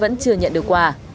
nạn nhân chưa nhận được quà